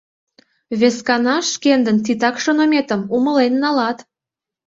Вескана шкендын титак шоныметым умылен налат...